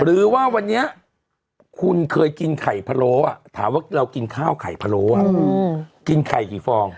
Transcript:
หรือว่าวันนี้คุณเคยกินข่ายผลโลถามว่าเรากินข้าวข่ายผลโลคิดใครกี่ฟอง